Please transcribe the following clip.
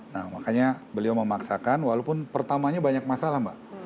nah makanya beliau memaksakan walaupun pertamanya banyak masalah mbak